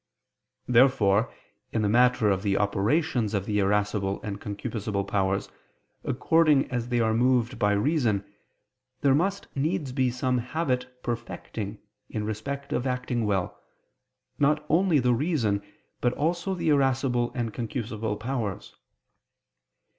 Therefore in the matter of the operations of the irascible and concupiscible powers, according as they are moved by reason, there must needs be some habit perfecting in respect of acting well, not only the reason, but also the irascible and concupiscible powers.